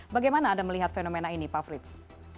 bagaimana anda melihat fenomena ini pak frits